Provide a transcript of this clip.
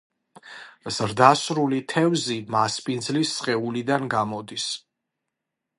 ზრდასრული თევზი მასპინძლის სხეულიდან გამოდის.